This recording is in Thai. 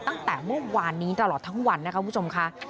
ตั้งแต่เมื่อวานนี้ตลอดทั้งวันนะคะคุณผู้ชมค่ะ